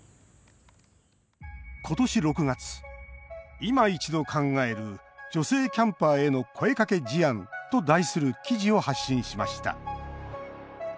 今年６月「いま一度考える『女性キャンパーへの声かけ事案』」と題する記事を発信しました。